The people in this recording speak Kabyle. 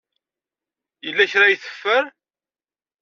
Yella kra ay teffer?